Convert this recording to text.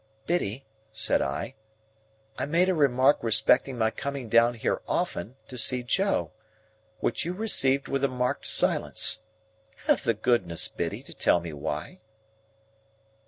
"Biddy," said I, "I made a remark respecting my coming down here often, to see Joe, which you received with a marked silence. Have the goodness, Biddy, to tell me why."